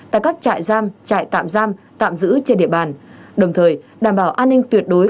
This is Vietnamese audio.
tại các trại giam trại tạm giam tạm giữ trên địa bàn đồng thời đảm bảo an ninh tuyệt đối